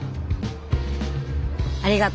ありがと。